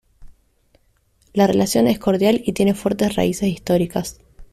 La relación es cordial y tiene fuertes raíces históricas.